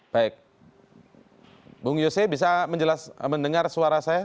baik bung yose bisa mendengar suara saya